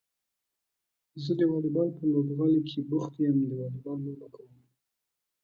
زه د واليبال په لوبغالي کې بوخت يم د واليبال لوبه کوم.